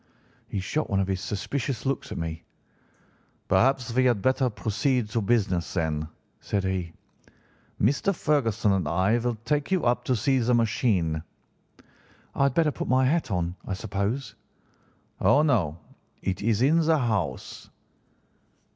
"He shot one of his suspicious looks at me. 'Perhaps we had better proceed to business, then,' said he. 'Mr. Ferguson and I will take you up to see the machine.' "'I had better put my hat on, I suppose.' "'Oh, no, it is in the house.